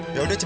udah duda deh